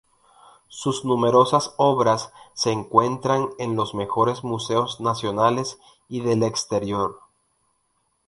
Sus numerosas obras se encuentran en los mejores museos nacionales y del exterior.